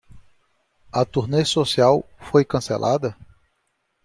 A turnê social foi cancelada?